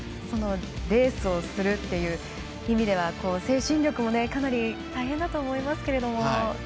レースをするっていう意味では精神力もかなり大変だと思いますけど。